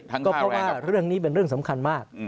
เพราะว่าเรื่องนี้เป็นเรื่องสำคัญมาก